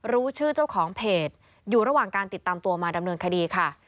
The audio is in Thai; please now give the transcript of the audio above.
รู้ชื่อเจ้าของเพจอยู่ระหว่างการติดตามตัวมาดำเนินคดีค่ะ